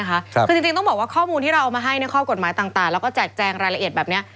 คือจริงต้องบอกว่าข้อมูลที่เราเอามาให้ในข้อกฎหมายต่างแล้วก็แจกแจงรายละเอียดแบบนี้